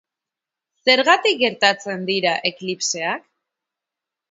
Zergatik gertatzen dira eklipseak?